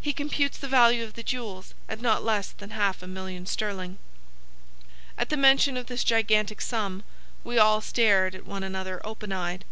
He computes the value of the jewels at not less than half a million sterling." At the mention of this gigantic sum we all stared at one another open eyed.